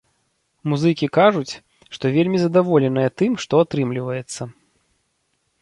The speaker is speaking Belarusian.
Музыкі кажуць, што вельмі задаволеныя тым, што атрымліваецца.